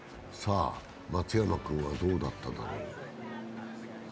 松山君はどうだっただろう。